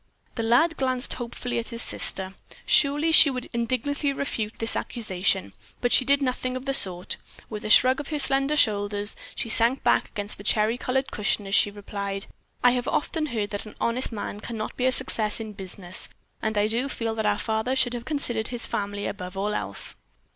The lad glanced hopefully at his sister. Surely she would indignantly refute this accusation, but she did nothing of the sort. With a shrug of her slender shoulders, she sank back against the cherry colored cushion as she replied, "I have often heard that an honest man can not be a success in business, and I do feel that our father should have considered his family above all else."